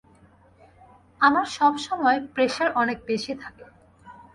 আমার সবসময় প্রেসার অনেক বেশি থাকে।